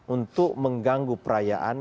untuk mengganggu perayaan